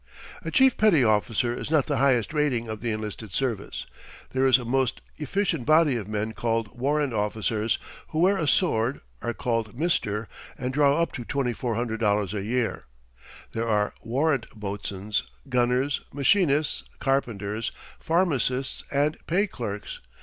A chief petty officer is not the highest rating of the enlisted service. There is a most efficient body of men called warrant officers, who wear a sword, are called "Mr.," and draw up to $2,400 a year. There are warrant boatswains, gunners, machinists, carpenters, pharmacists, and pay clerks.